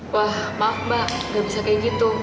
wah maaf mbak gak bisa kayak gitu